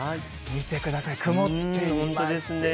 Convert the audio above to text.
見てください、曇っています。